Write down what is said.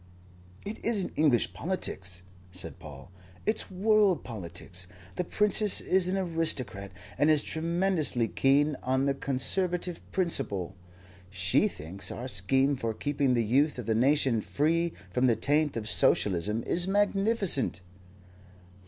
"It isn't English politics," said Paul. "It's world politics. The Princess is an aristocrat and is tremendously keen on the Conservative principle. She thinks our scheme for keeping the youth of the nation free from the taint of Socialism is magnificent."